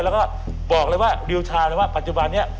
แล้วก็บอกเลยว่านิวชาเลยว่าปัจจุบันนี้